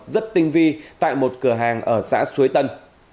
rất tinh vi tại một cửa hàng ở xã suối tân